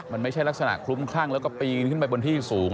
มันไม่ใช่ลักษณะคลุ้มคลั่งแล้วก็ปีนขึ้นไปบนที่สูง